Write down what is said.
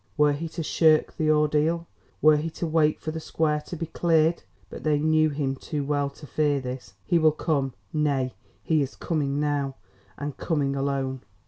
Were he to shirk the ordeal! Were he to wait for the square to be cleared But they knew him too well to fear this. He will come nay, he is coming now and coming alone!